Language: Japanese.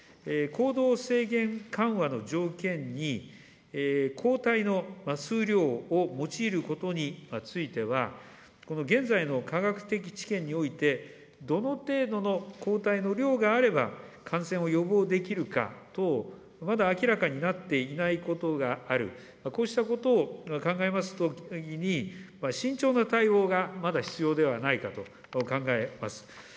行動制限緩和の条件に、抗体の数量を用いることについては、この現在の科学的知見において、どの程度の抗体の量があれば、感染を予防できるか等、まだ明らかになっていないことがある、こうしたことを考えますときに慎重な対応がまだ必要ではないかと考えます。